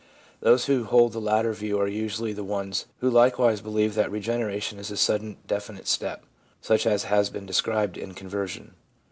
Those who hold the latter view are usually the ones who likewise believe that regeneration is a sudden definite step, such as has been described in conversion.